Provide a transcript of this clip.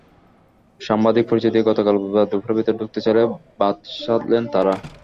সাংবাদিক পরিচয় দিয়ে গতকাল বুধবার দুপুরে ভেতরে ঢুকতে চাইলে বাদ সাধলেন তাঁরা।